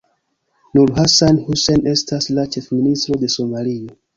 Nur Hassan Hussein estas la Ĉefministro de Somalio.